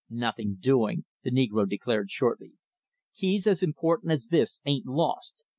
"Nothing doing," the negro declared shortly. "Keys as important as this ain't lost.